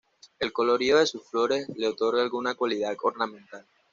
El colorido de sus flores le otorga alguna cualidad ornamental.